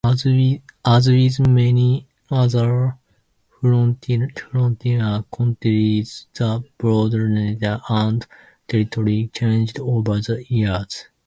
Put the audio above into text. As with many other frontier counties, the boundaries and territory changed over the years.